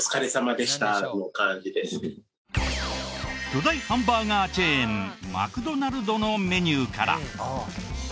巨大ハンバーガーチェーンマクドナルドのメニューから。